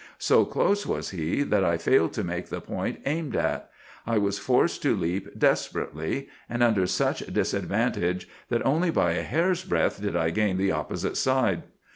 So close was he that I failed to make the point aimed at. I was forced to leap desperately, and under such disadvantage that only by a hair's breadth did I gain the opposite side.